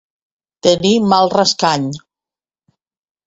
Tenir mal rascany.